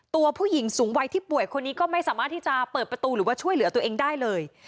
ตัวผู้หญิงสูงวัยที่ป่วยคนนี้ก็ไม่สามารถที่จะเปิดประตูหรือว่าช่วยเหลือตัวเองได้เลย